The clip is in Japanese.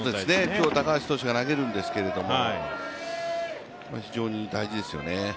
今日、高橋投手が投げるんですけど非常に大事ですね。